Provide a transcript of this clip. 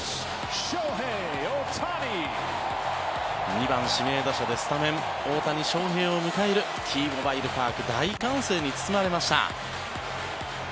２番指名打者でスタメン大谷翔平を迎えるＴモバイル・パーク大歓声に包まれました。